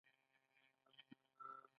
ريښې د اوبو جذبولو لپاره ژورې ځمکې ته رسېږي